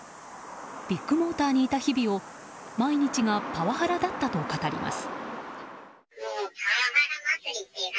ビッグモーターにいた日々を毎日がパワハラだったと語ります。